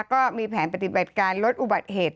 ก็มีแผนปฏิบัติการลดอุบัติเหตุ